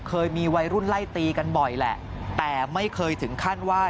เคยมีวัยรุ่นไล่ตีกันบ่อยแหละแต่ไม่เคยถึงขั้นว่า